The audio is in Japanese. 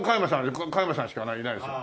これ加山さんしかいないですよ。